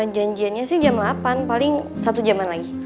janjiannya sih jam delapan paling satu jaman lagi